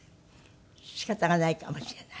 仕方がないかもしれない。